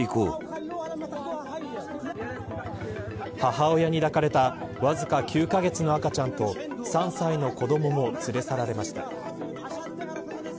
母親に抱かれたわずか９カ月の赤ちゃんと３歳の子どもも連れ去られました。